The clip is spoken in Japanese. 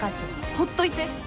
ほっといて。